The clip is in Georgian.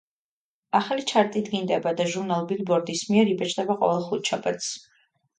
ახალი ჩარტი დგინდება და ჟურნალ „ბილბორდის“ მიერ იბეჭდება ყოველ ხუთშაბათს.